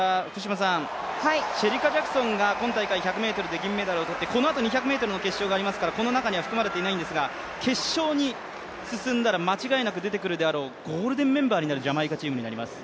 シェリカ・ジャクソンが今大会１００ｍで銀メダルを取ってこのあと２００ｍの決勝がありますからこの中には含まれていないんですが、決勝に進んだら間違いなく出てくるであろうゴールデンメンバーのジャマイカチームになります。